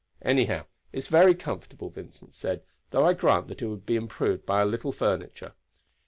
"Anyhow, it's very comfortable," Vincent said, "though I grant that it would be improved by a little furniture."